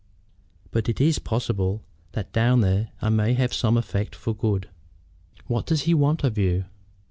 But it is possible that down there I may have some effect for good." "What does he want of you?"